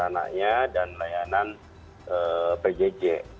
sarananya dan layanan pjj